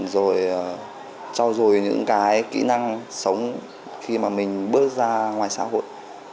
rồi cho dù những cái kỹ năng sống khi mà mình bước ra ngoài xã hội